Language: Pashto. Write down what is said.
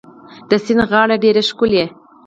د سیند غاړه ډيره ښکلې